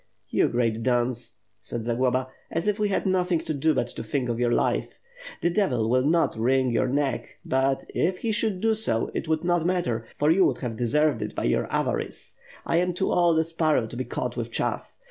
"You great dunce," said Zagloba; "as if we had nothing to do but to think of your life. The devil will not wring your neck; but, if he should do so, it would not matter, for you 646 ^ITH FIRE AND SWORD, would have deserved it by your avarice. I am too old a sparrow to be caught with chaff.